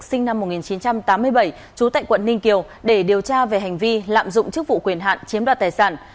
sinh năm một nghìn chín trăm tám mươi bảy trú tại quận ninh kiều để điều tra về hành vi lạm dụng chức vụ quyền hạn chiếm đoạt tài sản